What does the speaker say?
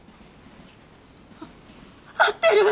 合ってる！